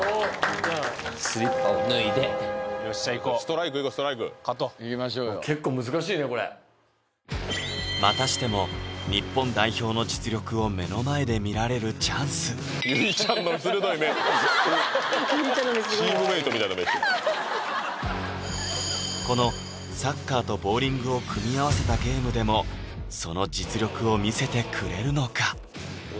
スリッパを脱いでストライクいこうストライク勝とう結構難しいねこれまたしても日本代表の実力を目の前で見られるチャンスチームメートみたいな目してるこのサッカーとボウリングを組み合わせたゲームでもその実力を見せてくれるのか？